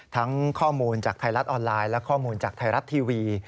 ข้อมูลจากไทยรัฐออนไลน์และข้อมูลจากไทยรัฐทีวี